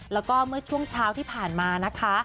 แล้วก็เมื่อช่วงเช้าที่ผ่านมานะคะ